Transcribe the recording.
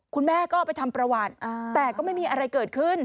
คุณแม่ก็ไปทำประวัติแต่ก็ไม่มีอะไรเกิดขึ้น